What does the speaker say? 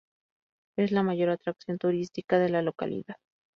Es la mayor atracción turística de la localidad.